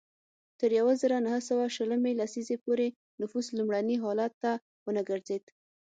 تر یوه زرو نهه سوه شلمې لسیزې پورې نفوس لومړني حالت ته ونه ګرځېد.